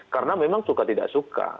karena memang suka tidak suka